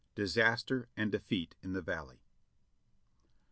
DISASTER AND DEFEAT IN THE VALLEY.